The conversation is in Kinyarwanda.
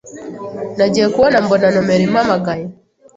nagiye kubona mbona nomero impamagaye